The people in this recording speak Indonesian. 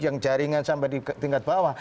yang jaringan sampai di tingkat bawah